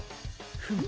フム。